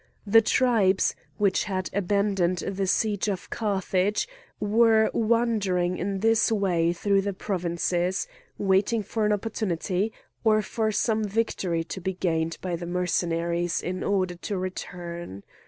The tribes, which had abandoned the siege of Carthage, were wandering in this way through the provinces, waiting for an opportunity, or for some victory to be gained by the Mercenaries, in order to return.